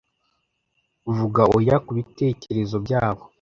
Vuga oya kubitekerezo byabo,